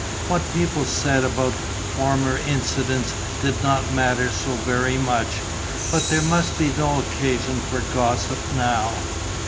What people said about former incidents did not matter so very much. But there must be no occasion for gossip now.